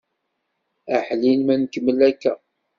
Aḥlil ma nkemmel akka!